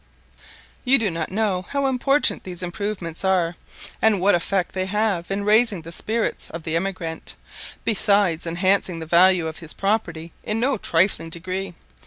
You do not know how important these improvements are, and what effect they have in raising the spirits of the emigrant, besides enhancing the value of his property in no trifling degree.